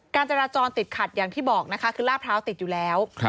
การจราจรติดขัดอย่างที่บอกนะคะคือลาดพร้าวติดอยู่แล้ว